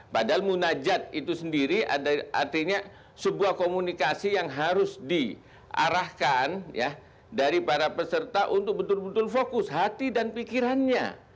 padahal munajat itu sendiri artinya sebuah komunikasi yang harus diarahkan dari para peserta untuk betul betul fokus hati dan pikirannya